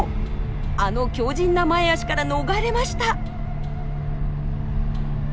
あの強靭な前足から逃れました。